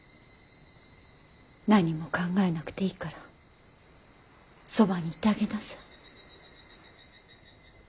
何も考えなくていいからそばにいてあげなさい。